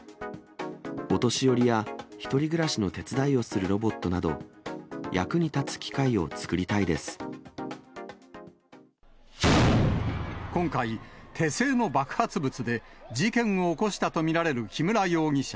お年寄りや１人暮らしの手伝いをするロボットなど、今回、手製の爆発物で事件を起こしたと見られる木村容疑者。